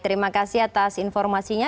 terima kasih atas informasinya